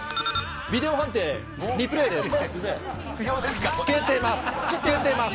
ビデオ判定、リプレイです。